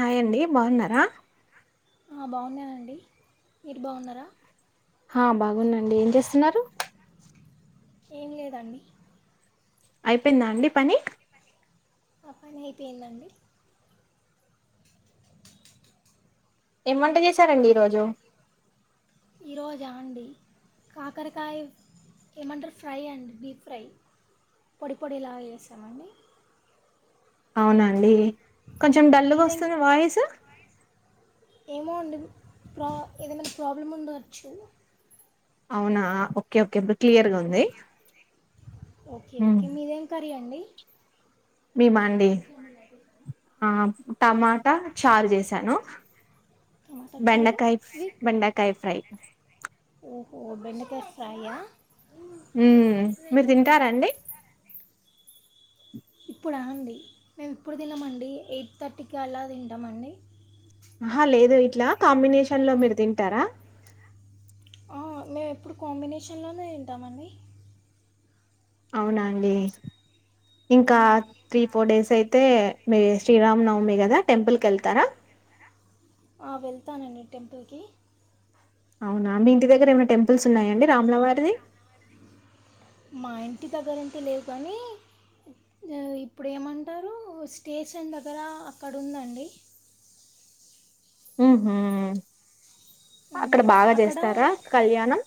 Hi అండి బాగున్నారా బాగున్నానండి మీరు బాగున్నారా ఆ బాగుందండి ఏం చేస్తున్నారు ఏం లేదండి అయిపోయిందా అండి పని ఆ పని అయిపోయిందండి ఏమంట చేశారండి ఈరోజు ఈరోజా అండి కాకరకాయ ఏమంటారు ఫ్రై అండి డీప్ ఫ్రై పొడి పొడి లాగా చేసామండి అవునండి కొంచెం డల్లుగా మీదేం వస్తుంది వాయిస్ ఏమో అండి ప్రా ఏదనా ప్రాబ్లమ్ ఉండవచ్చు అవునా ఓకే ఓకే ఇప్పుడు క్లియర్ గా ఉంది ఓకే ఓకే మీరేం కర్రీ అండి మేమ అండి ఆ టమాటా చారు చేసాను టమాట చారు బెండకాయ ఫ్రై ఓహో బక ఫ్రై ఆ ఉ మీరు తింటారండి ఇప్పుడా అండి మేము ఎప్పుడు తినమండి ఎయిట్ థర్టీకి అలా తింటామండి ఆహా లేదు ఇట్లా కాంబినేషన్ లో మీరు తింటారా మేము ఎప్పుడు కాంబినేషన్లోనే తింటామ అండి అవునాండి ఇంకా ఉమ్. త్రీ ఫోర్ డేస్ అయి మతే మ శ్రీరామ్ నవమి గదా టెంపుల్ కెల్తార వెళ్తానండి టెంపోకి అవునా మీ ఇంటి దగ్గర ఏమైనా టెంపుల్స్ ఉన్నాయంండి రామ్లవారిది మా ఇంటి దగ్గరంత లేదు కానీ ఇప్పుడు ఏమంటారు స్టేషన్ దగ్గర అక్కడ ఉందండి హ హ అక్కడ ఉమ్, బాగా అక్కడ చేస్తారా కళ్యాణం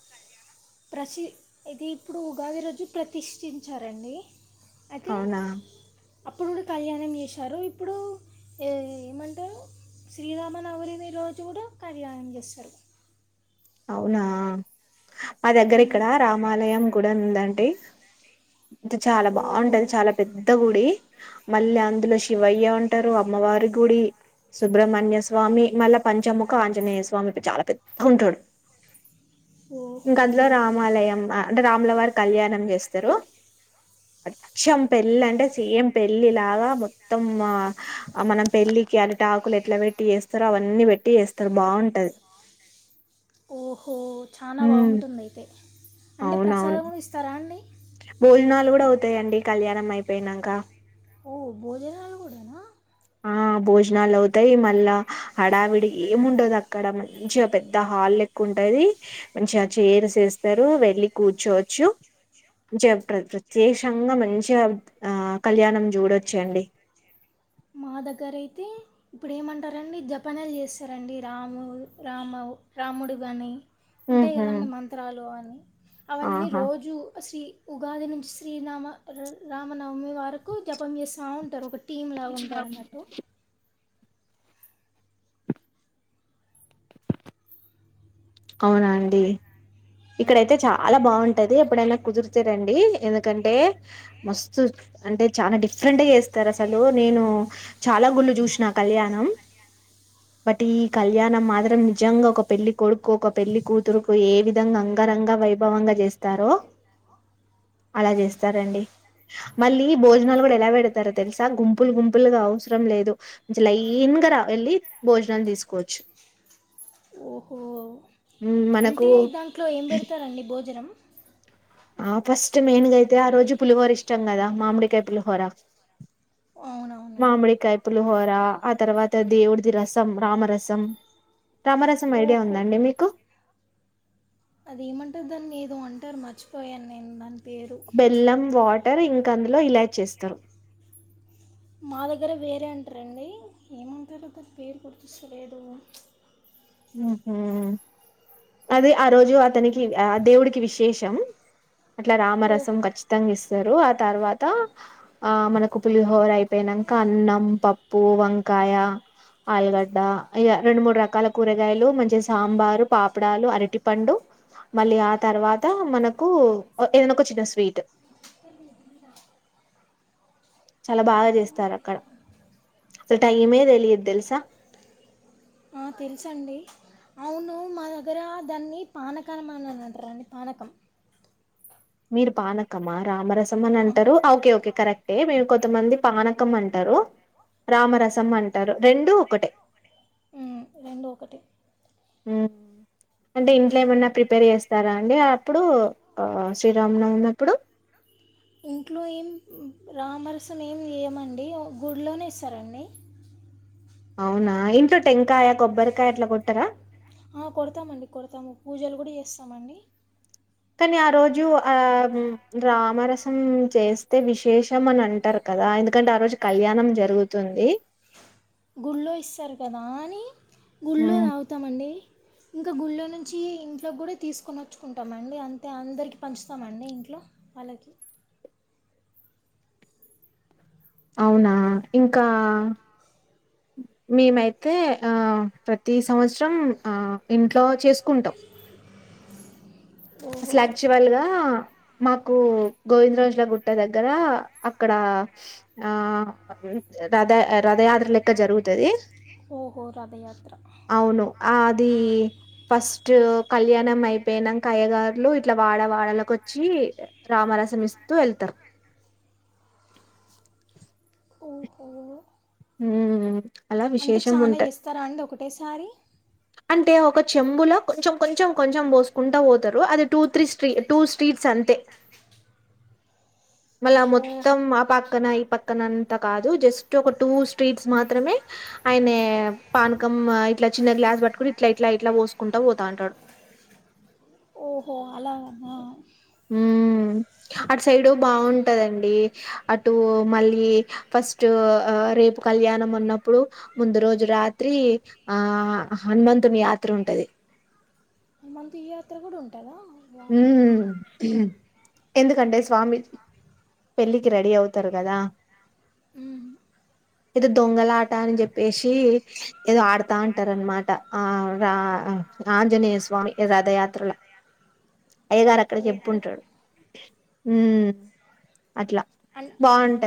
ప్రసి ఇది ఇప్పుడు ఉగాది రోజు ప్రతిష్ఠించారండి అయితే అవునా అప్పుడు కూడా కళ్యాణం చేశారు ఇప్పుడు ఏమంటారు శ్రీరామనవరిని రోజు కూడా కళ్యాణం చేస్తారు అవునా మా దగ్గర ఉమ్, ఇక్కడ రామాలయం గుడ ఉందండి ఇది చాలా ఓహో బాగుంటది చాలా పెద్ద గుడి మళ్ళి అందులో శివయ్య ఉంటారు, అమ్మవారి గుడి, సుబ్రహ్మణ్య స్వామి, మళ్ళ పంచముఖ ఆంజనేయ స్వామి, చాలా పెద్ద ఉంటడు. ఇంకా ఓహో అందులో రామాలయం అ అంటే రాములవారి కళ్యాణం చేస్తరు అచ్చం పెళ్ళి అంటే సేమ్ పెళ్ళి లాగా మొత్తం మనం పెళ్ళికి అరిటాకులు ఎట్లా వెట్టి చేస్తారో అవన్నీ వెట్టి చేస్తరు బాగుంటది ఓహో చానా ఉమ్ బాగుంటుంది అయితే అంటే అవునవును ప్రసాదమూ ఇస్తారా అండి భోజనాలు గూడా అవుతాయండి కళ్యాణం అయిపోయినంకా ఓ భోజనాలు గూడనా ఆ భోజనాలు అవుతాయి, మళ్ళా హడావిడి ఏముండదు అక్కడ మంచిగా పెద్ద హాల్ లెక్క ఉంటది, మంచిగా చైర్స్ వేస్తారు, వెళ్ళి కూర్చోవచ్చు, మంచిగా ప్ర ప్రత్యేకంగా మంచిగా ఆ కళ్యాణం చూడొచ్చు అండి. మా దగ్గర అయితే ఇప్పుడు ఏమంటారండి జపనలు జేస్తారండి రాము రామౌ రాముడు గానీ ఉంటాయి ఉహు గదండి మంత్రాలు అని అవన్నీ ఆహా రోజూ శ్రీ ఉగాది నుంచి శ్రీనామ ఉర్ రామనవమి వరకు జపం జేస్తా ఉంటారు ఒక టీం లాగా ఉంటారు అన్నట్టు [unintelligible] అవునండి మ్మ్. ఇక్కడైతే చాలా బాగుంటది ఎప్పుడైనా కుదురు చరండి ఎందుకంటే మస్తు అంటే చానా డిఫరెంట్ గా చేస్తారు అసలు నేను చాలా గుళ్ళు చూసిన కళ్యాణం. బట్ ఈ కళ్యాణం మాత్రం నిజంగా ఒక పెళ్లి కొడుకు, ఒక పెళ్లి కూతురుకు ఏవి. ధంగా అంగరంగ వైభవంగా జేస్తారో అలా జేస్తారండి. మళ్ళీ భోజనాలు గూడా ఎలా వెడతారో తెలుసా గుంపులు గుంపులుగా అవసరం లేదు చ లైన్గా రా వెళ్ళి భోజనాలు తీసుకోవచ్చు. ఓహో ఊమ్ మనకు ట్లో ఏం బెడతారండి బో ఉజరం ఆ ఫస్ట్ మెయిన్గా అయితే ఆ రోజు పులిహోర ఇష్టం గదా మామిడికాయ్ పులిహోర అవునవునండి మామిడికాయ పులిహోర ఆ తర్వా త దేవుడుది రసం రామరసం తామరసం ఐడియా ఉందా అండి మీకు అది ఏమంటారు దాన్ని ఏదో అంటారు మర్చిపోయాను నేను దాన్ బెల్లం వాట్ టరు ఇంకా అందులో ఇలాచి ఏస్తరు మా దగ్గర వేరే అంటరండి ఏమంటారు దాని పేరు గుర్తొస్తలేదు ఉహూ అది ఆ రోజు అతనికి ఆ దేవుడికి విశేషం అట్లా ఓ రామరసం ఖచ్చితంగా ఇస్ తరు ఆ తర్వాత ఆ మనకు పులిహోర అయిపోనంక అన్నం, పప్పు, వంకాయ, ఆల్గడ్డ, ఇగ రెండు మూడు రకాల. కూరగాయలు మంచి సాంబారు పా పుడాలు అరటి పండు మళ్ళీ ఆ తర్వాత మనకు అ ఏదన్న ఒక చిన్న స్వీట్ చాలా బాగా జేస్తారు అక్కడ అసల్ టైమే దేలీద్ తెలుసా ఆ తెలుసండి అవును మా దగ్గర దాన్ని పానకం అనని అంటారండి పానకం మీరు పానకమా రామరస్ సం అని ఆ, అంటారు కొంతమంది పానకం అంటారు రామరసం అంటారు రెండు ఒకటే ఉమ్ రెండు ఒకటే ఉమ్ అంటే ఇంట్లో ఏమన్నా ప్రిపేర్ చేస్తారా అండి అప్పుడు శ్రీరామనవమి అప్పుడు ఇంట్లో ఏం రామరసం ఏమి చేయమండి గుడిలోనే ఇస్తారండి అవునా ఇంట్లో టెంకాయ కొబ్బరికాయ అట్లా కొట్టార అ కొడతామండి కొడతాము పూజలు కూడా చేస్తామండి కానీ ఆ రోజు ఆ రామరసం చేస్తే విశేషం అని అంటారు కదా ఎందుకంటే ఆ రోజు కళ్యాణం జరుగుతుంది గుల్లో ఇస్తారు కదా అని గుళ్ళు ఉమ్, తాగుతామండి ఇంకా గుళ్ళో నుంచి ఇంట్లోకి కూడా తీసుకొని వచ్చుకుంటామ అండి అంతే అందరికి పంచుతామండి ఇంట్లో వాళ్ళకి అవునా ఇంకా మేమైతే ఆ ప్రతి సంవత్సరం ఆ ఇంట్లో చేసుకుంటాం ఓహో అసలు యాక్చువల్ గా మా కు గోవింద రోజుల గుట్ట దగ్గర అక్కడ ఆ రథ రథయా లెక్క జరుగుతది ఓహో రథయాత్ర అవును అది ఫస్ట్ కళ్యాణం అయిపోయినంక అయ్యగా ర్లు ఇట్ల వాడ వాడలకొచ్చి రామరసం ఇస్తూ వెళ్తరు ఇంక ఉం అంటే చానా ఏస్తారా అండి ఒకటేసారి అంటే ఒక చెంబుల కొంచెం కొంచెం కొంచెం పోసుకుంటపోతారు అది టూ త్రీ స్ట్రీ టూ స్ట్రీ ట్స్ అంతే మల్ల ఓ మొత్తం ఆ పక్ పక్కన ఈ పక్కన అంత కాదు జస్ట్ ఒక టూ స్ట్రీట్స్ మాత్రమే ఆయనే పానకం ఇట్లా చిన్న గ్లాస్ పట్టుకుని ఇట్ల ఇట్ల ఇట్ల పోసుకుంటా పోతాంటడు ఓహో అలాగానా ఉమ్ అటు సైడ్ బాగున్ టదండి అటు మళ్ళీ ఫస్ట్ ఆ రేపు కళ్యాణం అన్నప్పుడు ముందు రోజు రాత్రి ఆ హనుమంతుని యాత్ర ఉంటది హనుమంత్ ఈ యాత్ర కూడా ఉంటదా ఉ మ్ ఎందుకంటే స్వామి పెళ్ళికి రెడీ అవతారు కదా ఉహ్మ్ ఏదో దొంగలాట అని చెప్పేసి ఏదో ఆడతా అంటారు అనమాట ఆ రా మ్ ఆంజనేయ స్వామి రథయాత్రల అయ్య గారు అక్కడ ఓహో చెప్పుంటడు ఉమ్ అట్ల అన్-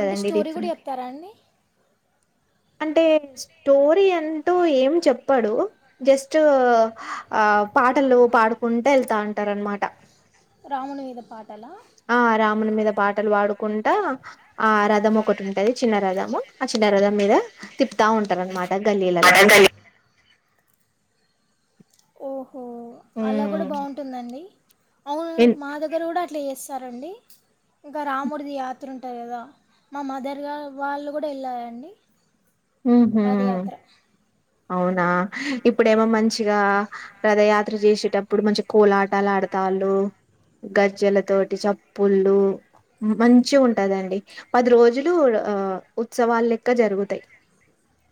అంటే స్టోరీ కూడా డిఫరెంట్ చెప్తారా అండి అంటే స్టోరీ అంటూ ఏం చెప్పడు జస్ట్ ఆ పాటలు పాడుకుంట ఎల్తాంటరు అనమాట రాముని మీద పాటలా ఆ రాముని మీద పాటలు పాడుకుంట ఆ రథం ఒకటి ఉంటది చిన్న రథము ఆ చిన్న రథం మీద తిప్తా ఉంటారు అనమాట గల్లీలల ఓ ఓ అలా గూడా ఉమ్ బాగుంటుందండి అవును మా దగ్గర కూడా అట్లే చేస్తారండి ఇంకా రామూడిది యాత్ర ఉంటధి కదా మా మదర్ వాళ్ళు కూడా వెళ్ళారండి అహా రథయాత్ర అవున ఆ ఇప్పుడేమో మంచిగా రథయాత్ర చేసేటప్పుడు మంచి కోలాటాలు ఆడతాల్లు గజ్జల తోటి చప్పుల్లు మంచిగుంటదండి పది రోజులు ఆ ఆ ఉత్సవాలు లెక్క జరుగుతయి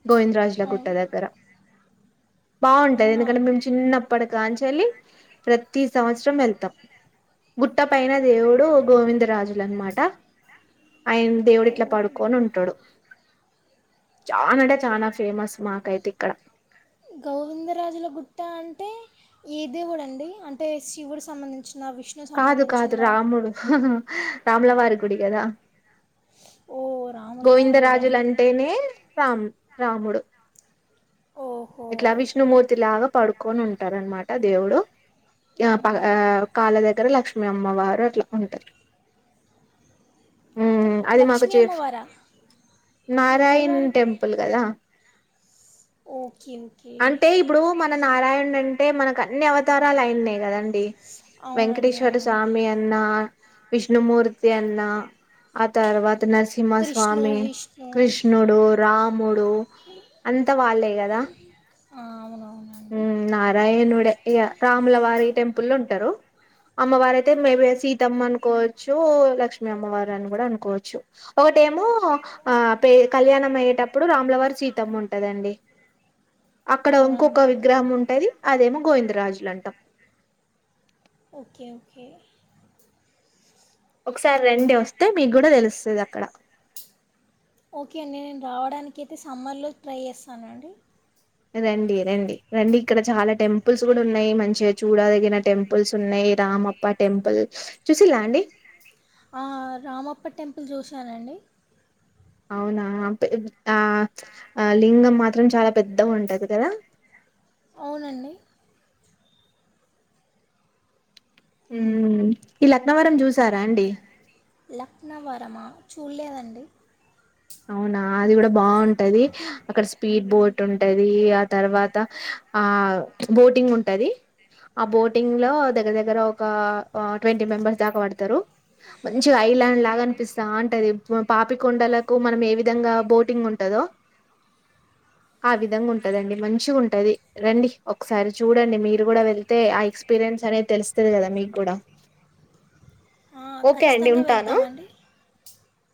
గోవింద్రాజ్ల గుట్ట అవును దగ్గర బాగుంటది అవునా ఎందుకంటే అండి మేము చిన్నప్పటికాంచి వెల్లి ప్రతి సంవత్సరం వెల్తమ్ గుట్ట పైన దేవుడు గోవిందరాజులు అనమాట ఆయన దేవుడు ఓ. ఇట్ల పడుకొని ఉంటడు చానంటే చానా ఫేమస్ మాకైతే ఇక్కడ గోవిందరాజుల గుట్ట అంటే ఏ దేవుడు అండీ అంటే శివుడు సంబంధించిన కాదు కాదు రాముడు హాహా రాములవారి గుడి కదా ఓ రాములవా ఎవడే అంటే గోవిందరాజులంటేనే రామ్ రాముడు ఓహో ఇట్లా విష్ణుమూర్తి లాగా పడుకొని ఉంటారు అనమాట దేవుడు ఆ ప ఉమ్. కళ్ళ దగ్గర లక్ష్మీ అమ్మవారు ఉంట అది మాకు లక్ష్మీ చే అమ్మవారా రాముల నారాయణ్ టెంపుల్ కదా ఓహ అంటే ఇప్పుడు మన నారాయణ అంటే అంటే మనకు అన్ని అవతారాలు అయిన్నాయి కదండి అవునండి వెంకటేశ్వర అవునండి స్వామిీ అన్న విష్ణుమూర్తి అన్న ఆ తర్వాత నరసింహ కృష్ణు స్వామి విష్ణు కృష్ణుడు రాముడు అంత వాళ్ళే అదా ఆ ఉ అవునవునండి నారాయణడ ఇ రాములవారి టెంపుల్ ఉంటారు అమ్మవారు అయితే మేబి సీతమ్మ అనుకోవచ్చు లక్ష్మీ అమ్మవారు అని కూడా అనుకోవచ్చు ఒకటేమో ఆ ప కళ్యాణం అయ్యేటప్పుడు రాములవారి సీతమ్మ ఉంటదండి అక్కడ ఇంకొక అవునండి విగ్రహం ఉంటది అదేమో గోవిందరాజులు అంటాం ఓకే ఓకే ఒకసారి రెండే వస్తే మీకు కూడా తెలుస్తుంది అక్కడ కైతే సమ్మర్లో ట్రై చేస్తానండి రండి రండి రండిక్కడ చాల టెంపుల్స్ గుడున్నాయి. మంచిగ చూడదగిన టెంపుల్స్ ఉన్నయి, రామప్ప టెంపుల్ చూసిల్లా అండి? సానండి అవునా పె ఆ లింగం మాత్రం చాలా పెద్ద ఉంటది గదా? అవునండి ఉమ్, ఈ లక్నవరం చూసారా అండి? లక్నవరమా చూడలేదండి అవునా అది కూడా బావుంట్ టది అక్కడ సు స్పీడ్ బోట్ ఉంటది ఆ తర్వాత ఆ బోటింగ్ ఉంటది. ఆ బోటింగ్ లో దగ్గర దగ్గర ఒక ట్వంటీ మెంబెర్స్ దాక పడతరు, మంచిగా ఐలాండ్ లాగా అనిపిస్తామ్టది పాపికొండలక్ కు మనం ఏ విధంగా బోటింగ్ ఉంటదో ఆ విధంగా ఉంటుందండి మంచిగుంటది రండి ఒకసారి చూడండి మీరు కూడా వెళ్తే ఆ ఎక్స్పీరియన్స్ అనేది తెలుస్తది కదా మీగ్గుడా. ఆ ఓకే అండి ఖచ్చితంగా ఉంటాను వెళ్తామండి